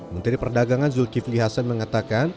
menteri perdagangan zulkifli hasan mengatakan